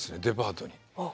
デパートに。